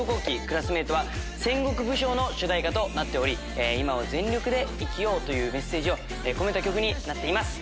クラスメイトは戦国武将』の主題歌となっており今を全力で生きようというメッセージを込めた曲になっています。